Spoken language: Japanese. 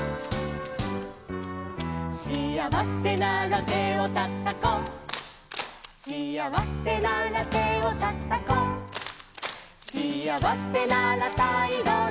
「しあわせなら手をたたこう」「」「しあわせなら手をたたこう」「」「しあわせなら態度でしめそうよ」